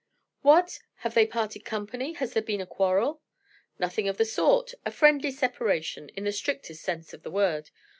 "What! have they parted company? Has there been a quarrel?" "Nothing of the sort; a friendly separation, in the strictest sense of the word.